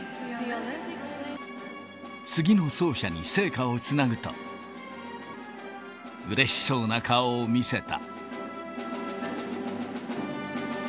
次の走者に聖火をつなぐと、うれしそうな顔を見せた。